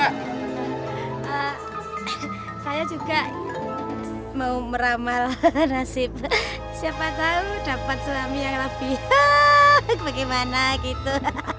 saya juga mau meramal nasib siapa tahu dapat suami yang lebih bagaimana gitu